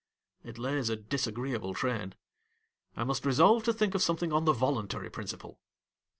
It lays a dis agreeable train. I must resolve to think of something on the voluntary principle.